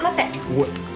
おい。